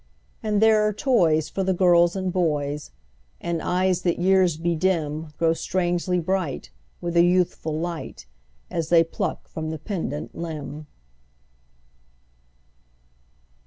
And there are toys for the girls and boys; And eyes that years bedim Grow strangely bright, with a youthful light, As they pluck from the pendant limb.